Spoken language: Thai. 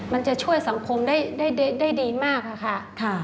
มันจะช่วยสังคมได้ดีมากค่ะ